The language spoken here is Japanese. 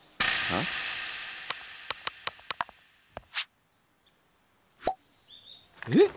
あっ。